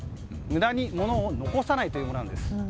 無駄に物を残さないというものです。